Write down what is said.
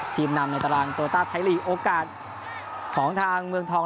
ทีมนำในตารางโตต้าไทยลีกโอกาสของทางเมืองทอง